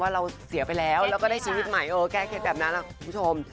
เราเสียไปแล้วแล้วก็ได้ชีวิตใหม่เออแก้เคล็ดแบบนั้นคุณผู้ชม